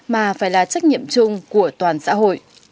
mà phải là trách nhiệm chung của toàn xã hội